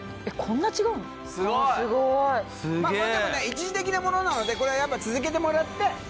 一時的なものなのでこれはやっぱ続けてもらって。